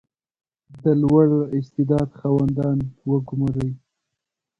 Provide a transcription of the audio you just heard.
• د لوړ استعداد خاوندان وګمارئ.